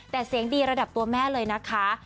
แต่เสียงดีระดับตัวแม่เลยนะคะ